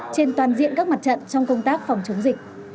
trên toàn diện các mặt trận trong công tác phòng chống dịch